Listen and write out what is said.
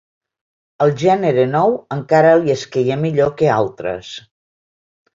El gènere nou encara li esqueia millor que altres.